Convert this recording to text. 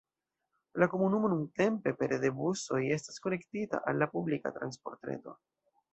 La komunumo nuntempe pere de busoj estas konektita al la publika transportreto.